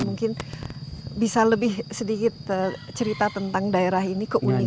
mungkin bisa lebih sedikit cerita tentang daerah ini keunikan